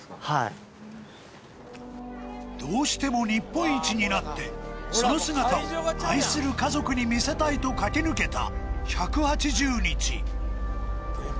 はいどうしても日本一になってその姿を愛する家族に見せたいと駆け抜けた１８０日